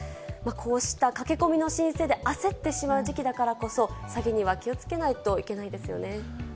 こうした駆け込みの申請で焦ってしまう時期だからこそ、詐欺には気をつけないといけないですよね。